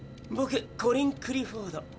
ぼくコリン・クリフォード。